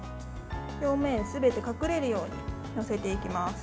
表面すべて隠れるように載せていきます。